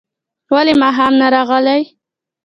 ولي ماښام نه راغلې؟